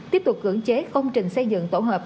tiếp tục cưỡng chế công trình xây dựng tổ hợp